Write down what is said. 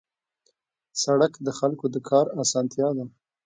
سړک د خلکو د کار اسانتیا ده.